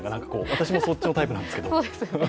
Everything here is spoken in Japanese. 私もそっちのタイプなんですけど。